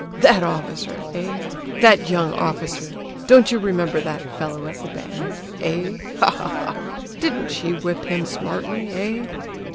"That officer, eh!—that young officer—don't you remember that fellow at the band? Eh? Ha, ha, ha! Didn't she whip him smartly, eh?"